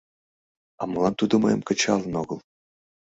— А молан тудо мыйым кычалын огыл?